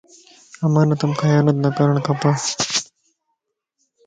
امانت مَ خيانت نه ڪرڻ کپ